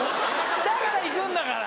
だから行くんだから。